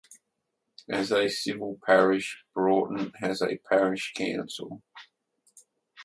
As a civil parish, Broughton has a parish council.